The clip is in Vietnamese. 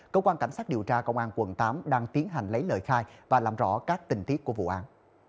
cơ quan cảnh sát điều tra công an quận tám đang tiến hành lấy lời khai và làm rõ các tình tiết của vụ án